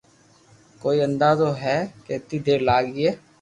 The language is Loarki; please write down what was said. ڪوئي اندازو ھي ڪيتي دير لاگئي